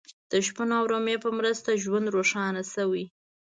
د شپون او رمې په مرسته ژوند روښانه شوی.